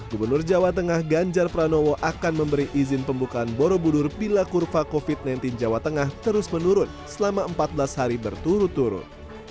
gubernur jawa tengah ganjar pranowo akan memberi izin pembukaan borobudur bila kurva covid sembilan belas jawa tengah terus menurun selama empat belas hari berturut turut